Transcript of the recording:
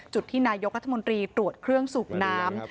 จุดที่นายกรัฐมนตรีตรวจเครื่องสูบน้ำ